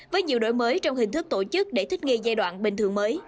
với nhiều đổi mới trong hình thức tổ chức để thích nghi giai đoạn bình thường mới